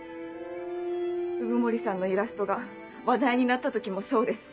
鵜久森さんのイラストが話題になった時もそうです。